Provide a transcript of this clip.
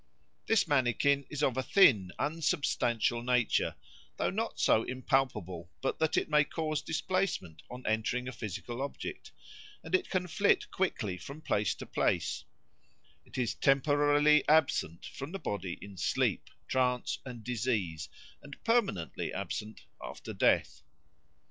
This mannikin is of a thin, unsubstantial nature, though not so impalpable but that it may cause displacement on entering a physical object, and it can flit quickly from place to place; it is temporarily absent from the body in sleep, trance, and disease, and permanently absent after death.